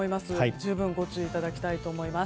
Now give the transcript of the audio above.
十分ご注意いただきたいと思います。